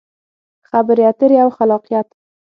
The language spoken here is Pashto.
خبرې اترې او خلاقیت: